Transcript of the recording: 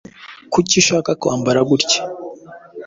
Kuki ushaka kwambara gutya?